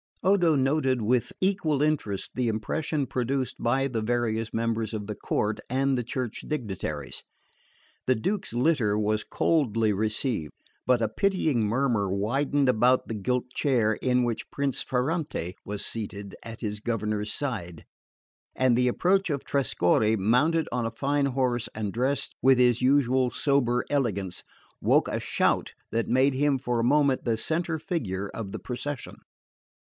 Odo noted with equal interest the impression produced by the various members of the court and the Church dignitaries. The Duke's litter was coldly received, but a pitying murmur widened about the gilt chair in which Prince Ferrante was seated at his governor's side, and the approach of Trescorre, mounted on a fine horse and dressed with his usual sober elegance, woke a shout that made him for a moment the central figure of the procession.